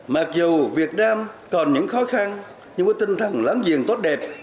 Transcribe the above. mặc dù việt nam còn những khó khăn nhưng với tinh thần láng giềng tốt đẹp